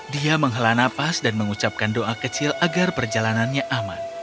dia menghela nafas dan mengucapkan doa kecil agar perjalanannya aman